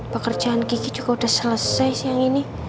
pekerjaan gigi juga udah selesai siang ini